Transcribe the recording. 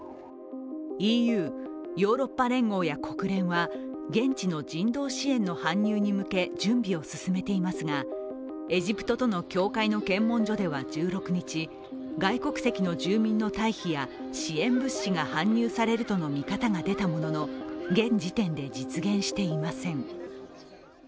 ＥＵ＝ヨーロッパ連合や国連は現地の人道支援の搬入に向け、準備を進めていますが、エジプトとの境界の検問所では１６日、外国籍の住民の退避や支援物資が搬入されるとの見方が出たものの現時点で実現していません。